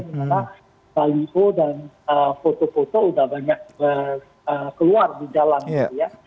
karena baliho dan foto foto udah banyak keluar di jalan gitu ya